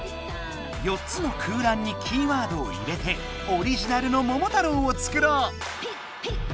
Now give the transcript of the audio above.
４つの空らんにキーワードを入れてオリジナルの「モモタロウ」を作ろう。